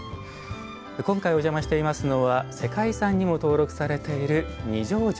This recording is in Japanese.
今回お邪魔していますのは世界遺産にも登録されている二条城。